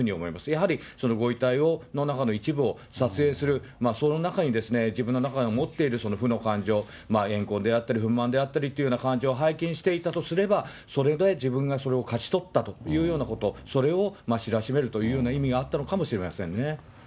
やはり、ご遺体の中の一部を撮影する、その中に自分の中で持っている負の感情、えん恨であったり憤まんであったりという感情を背景にしていたとすれば、それで自分がそれを勝ち取ったというようなこと、それを知らしめるというような意味があったのかもしれませんね。